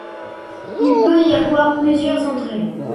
Il peut y avoir plusieurs entrées.